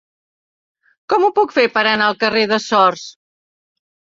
Com ho puc fer per anar al carrer de Sors?